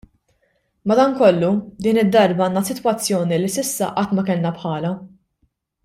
Madanakollu din id-darba għandna sitwazzjoni li s'issa qatt ma kellna bħalha.